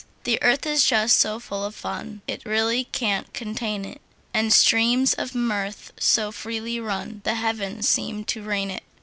The earth is just so full of fun It really can't contain it; And streams of mirth so freely run The heavens seem to rain it.